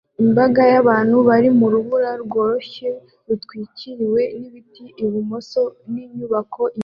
Imbaga y'abantu bari mu rubura rworoshye rutwikiriwe n'ibiti ibumoso n'inyubako inyuma